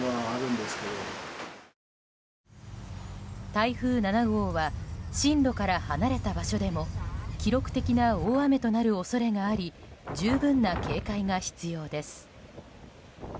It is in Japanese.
台風７号は進路から離れた場所でも記録的な大雨となる恐れがあり十分な警戒が必要です。